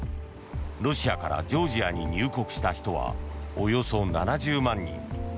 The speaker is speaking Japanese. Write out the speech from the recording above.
ロシアからジョージアに入国した人はおよそ７０万人。